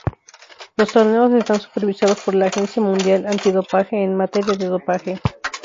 Los torneos están supervisados por la Agencia Mundial Antidopaje en materia de dopaje.